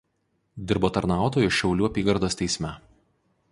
Dirbo tarnautoju Šiaulių apygardos teisme.